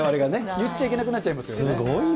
言っちゃいけなくなっちゃいすごいね。